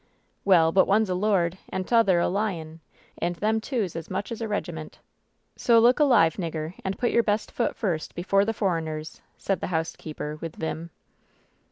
"Well, but one's a lord and t'other a lion ! And them two's as much as a regiment I So look alive, nigger, and put your best foot first before the foreigners," said the housekeeper, with vim.